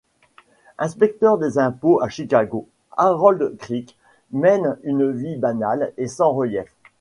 Inspecteur des impôts à Chicago, Harold Crick mène une vie banale et sans relief.